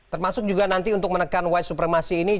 termasuk juga nanti untuk menekan white supremacy ini